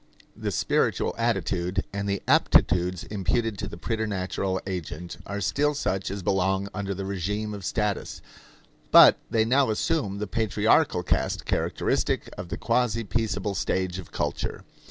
The spiritual attitude and the aptitudes imputed to the preternatural agent are still such as belong under the regime of status, but they now assume the patriarchal cast characteristic of the quasi peaceable stage of culture.